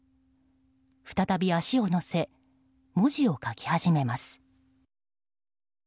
再び足を乗せ文字を書き始めます。